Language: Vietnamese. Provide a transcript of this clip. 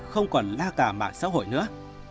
không còn la cả mạng xã hội nữa